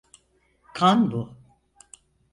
Kan bu.